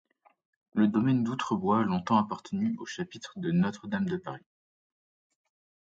Le domaine d'Outrebois a longtemps appartenu au chapitre de Notre-Dame de Paris.